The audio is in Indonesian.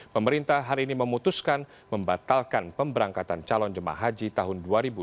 pemerintah hari ini memutuskan membatalkan pemberangkatan calon jemaah haji tahun dua ribu dua puluh